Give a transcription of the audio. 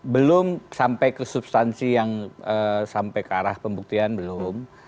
belum sampai ke substansi yang sampai ke arah pembuktian belum